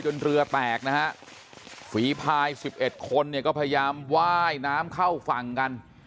เรือแตกนะฮะฝีพาย๑๑คนเนี่ยก็พยายามไหว้น้ำเข้าฝั่งกัน